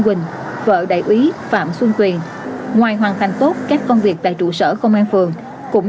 quỳnh vợ đại úy phạm xuân quyền ngoài hoàn thành tốt các công việc tại trụ sở công an phường cũng